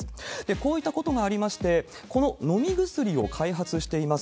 こういったことがありまして、この飲み薬を開発しています